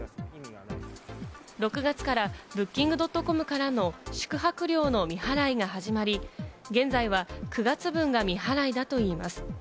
６月からＢｏｏｋｉｎｇ．ｃｏｍからの宿泊料の未払いが始まり、現在は９月分が未払いだといいます。